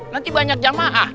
nanti banyak jamaah